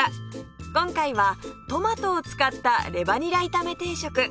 今回はトマトを使ったレバにら炒め定食